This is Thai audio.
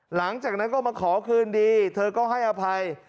หลังจากนั้นก็มาขอคืนดีเธอก็ให้อภัย